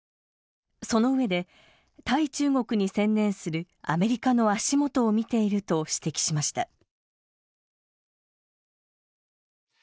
そのうえで対中国に専念するアメリカの足元を見ていると指摘しました。